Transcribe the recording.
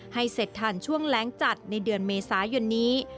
ให้เสร็จทันช่วงแรงจัดในเดือนเมษายนนี้